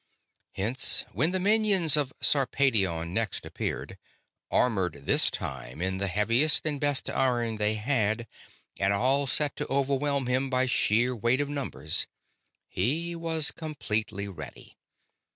Hence, when the minions of Sarpedion next appeared, armored this time in the heaviest and best iron they had and all set to overwhelm him by sheer weight of numbers, he was completely ready.